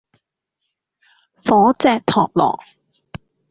火炙托羅